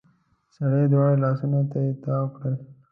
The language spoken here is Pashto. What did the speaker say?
سړې دواړه لاسونه ترې تاو کړل.